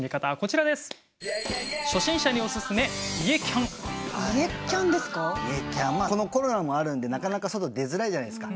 まあコロナもあるんでなかなか外出づらいじゃないですか。